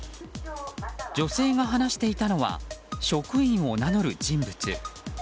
女性が話していたのは職員を名乗る人物。